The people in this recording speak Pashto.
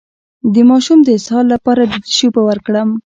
د ماشوم د اسهال لپاره د څه شي اوبه ورکړم؟